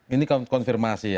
ini konfirmasi ya